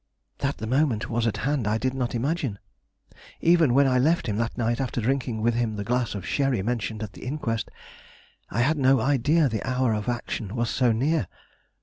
That the moment was at hand I did not imagine. Even when I left him that night after drinking with him the glass of sherry mentioned at the inquest, I had no idea the hour of action was so near.